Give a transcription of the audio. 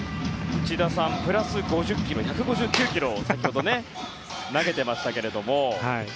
内田さんプラス５０キロで１５９キロを先ほど投げてましたけれども。